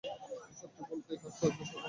সত্যি বলতে, কাজটা অতো সোজা না।